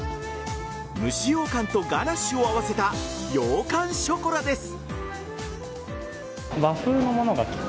蒸しようかんとガナッシュを合わせた羊羹ショコラです。